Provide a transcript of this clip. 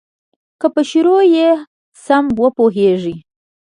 که په شروع یې سم وپوهیږې.